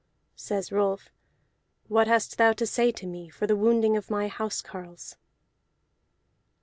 Says Rolf: "What hast thou to say to me for the wounding of my house carles?"